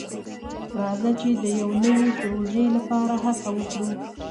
راځه چې د یو نوي پروژې لپاره هڅه وکړو.